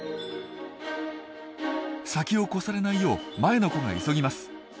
先を越されないよう前の子が急ぎます。